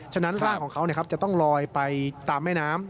ฉะนั้นร่างของเขาจะต้องลอยไปตามแม่น้ำ